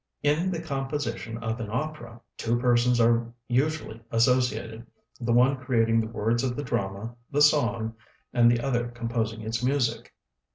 In the composition of an opera, two persons are usually associated; the one creating the words of the drama (the song), and the other composing its music.